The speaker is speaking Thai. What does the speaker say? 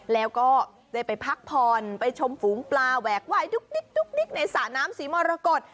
แล้วก็ได้ไปพักผ่อนไปชมฝูงปลาแหวกว่ายดุ๊กดิ๊กดุ๊กดิ๊กในสระน้ำสีมรกด